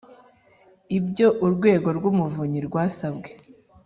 Ibyo Urwego rw’Umuvunyi rwasabwe